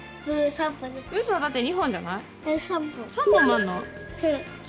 ３本もあるの？